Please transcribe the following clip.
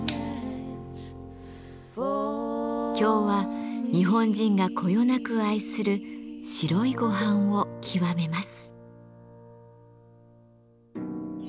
今日は日本人がこよなく愛する白いごはんを極めます。